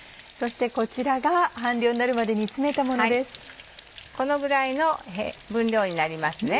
そしてこちらが半量になるまで煮詰めたものです。